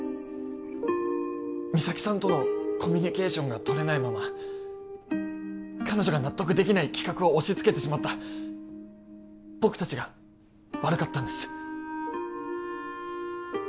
三咲さんとのコミュニケーションが取れないまま彼女が納得できない企画を押しつけてしまった僕達が悪かったんです